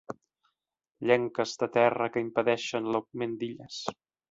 Llenques de terra que impedeixen l'augment d'illes.